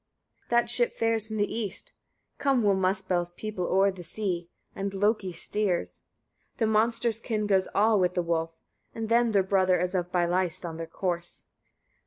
50. That ship fares from the east: come will Muspell's people o'er the sea, and Loki steers. The monster's kin goes all with the wolf; with them the brother is of Byleist on their course.